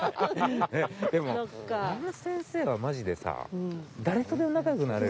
でもあの先生はマジでさ誰とでも仲良くなれる。